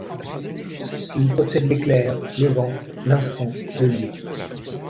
Il possède l’éclair, le vent, l’instant, le lieu ;